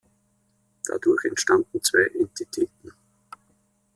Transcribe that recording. Dadurch entstanden zwei Entitäten.